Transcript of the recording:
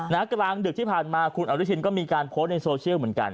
กลางดึกที่ผ่านมาคุณอนุทินก็มีการโพสต์ในโซเชียลเหมือนกัน